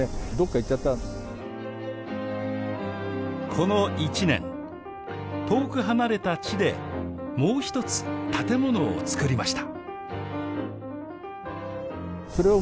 この１年遠く離れた地でもう一つ建物を造りました